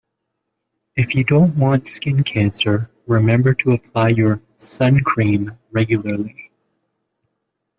If you don't want skin cancer, remember to apply your suncream regularly